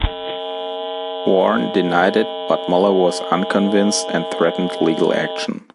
Warne denied it but Muller was unconvinced and threatened legal action.